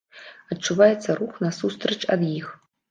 Адчуваецца рух насустрач ад іх.